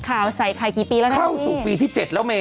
ข่าวใส่กี่ปีแล้วครับพี่เข้าสู่ปีที่๗แล้วเม